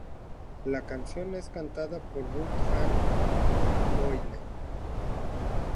La canción está cantada por Ruth-Ann Boyle.